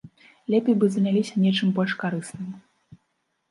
Лепей бы заняліся нечым больш карысным.